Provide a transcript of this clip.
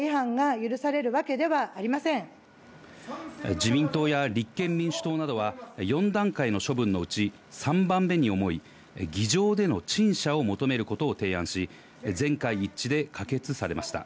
自民党や立憲民主党などは、４段階の処分のうち３番目に重い、議場での陳謝を求めることを提案し、全会一致で可決されました。